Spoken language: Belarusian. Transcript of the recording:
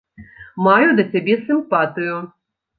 Маю да цябе сімпатыю.